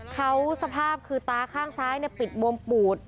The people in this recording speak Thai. เขาสภาพคือตาข้างซ้ายปิดบวมปูด